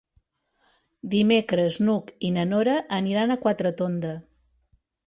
Dimecres n'Hug i na Nora aniran a Quatretonda.